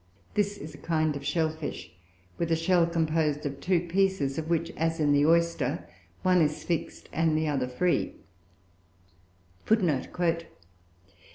This is a kind of shell fish, with a shell composed of two pieces, of which, as in the oyster, one is fixed and the other free.